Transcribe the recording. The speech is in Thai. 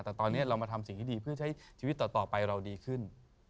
แต่ตอนนี้เรามาทำสิ่งที่ดีเพื่อใช้ชีวิตต่อไปเราดีขึ้น